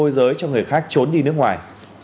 giới cho người khác trốn đi nước ngoài